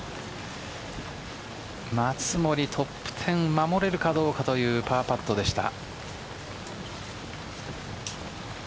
松森トップ１０を守れるかどうかというパーパットでした。